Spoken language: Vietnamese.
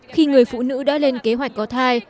khi người phụ nữ đã lên kế hoạch có thai